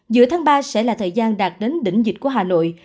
giữa tháng ba sẽ là thời gian đạt đến đỉnh dịch của hà nội